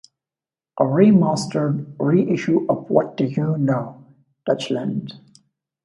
A remastered reissue of What Do You Know, Deutschland?